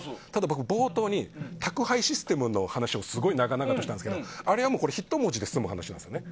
僕、冒頭に宅配システムの話をすごい長々としたんですけどあれは１文字で済む話なんですよね。